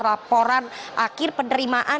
laporan akhir penerimaan